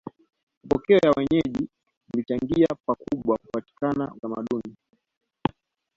Mapokeo ya wenyeji vilichangia pakubwa kupatikana utamaduni